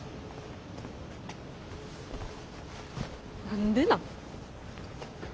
何でなん？